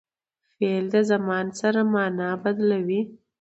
فعل د زمان سره مانا بدلوي.